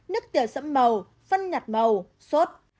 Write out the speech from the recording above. nước tiểu sẫm màu phân nhạt màu sốt